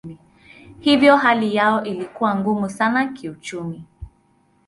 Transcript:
Hivyo hali yao ilikuwa ngumu sana kiuchumi.